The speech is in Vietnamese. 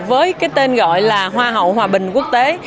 với cái tên gọi là hoa hậu hòa bình quốc tế